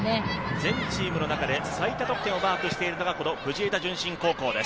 全チームの中で最多得点をマークしているのが藤枝順心高校です。